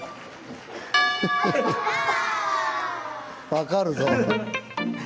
分かるぞ。